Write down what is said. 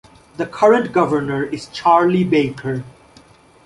The current governor is Charlie Baker.